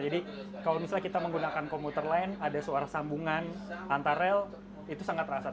jadi kalau misalnya kita menggunakan komputer lain ada suara sambungan antar rail itu sangat terasa